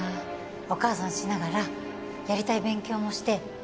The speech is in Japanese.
お母さんしながらやりたい勉強もして